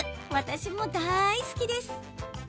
私も大好きです！